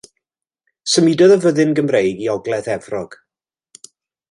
Symudodd y fyddin Gymreig i ogledd Efrog.